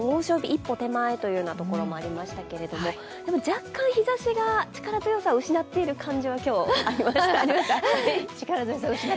一歩手前というところもありましたが、でも若干日ざしが力強さを失っている感じは今日ありました。